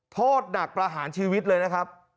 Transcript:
โทษหนักประหารชีวิตเลยนะครับ